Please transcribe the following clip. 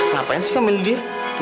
ngapain sih kamu pilih dia